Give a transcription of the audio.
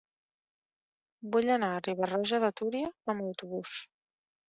Vull anar a Riba-roja de Túria amb autobús.